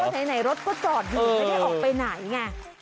ไหนรถก็จอดอยู่ไม่ได้ออกไปไหนไง